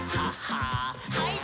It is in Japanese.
はい。